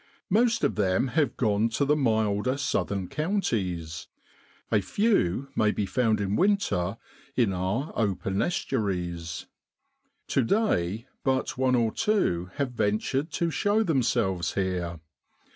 Most of them have gone to the milder southern counties, a few may be found in winter in our open estuaries; to day but one or two have ven tured to show themselves here.